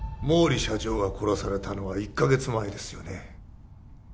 毛利社長が殺されたのは１カ月前ですよね